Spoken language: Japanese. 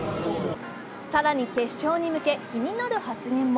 更に決勝に向け、気になる発言も。